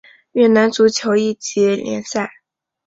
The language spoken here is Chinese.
越南足球乙级联赛。